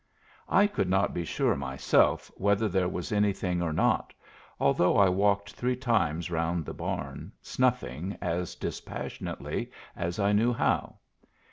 I could not be sure myself whether there was anything or not, although I walked three times round the barn, snuffing as dispassionately as I knew how.